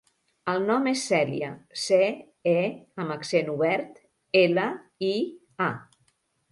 El nom és Cèlia: ce, e amb accent obert, ela, i, a.